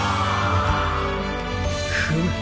フム。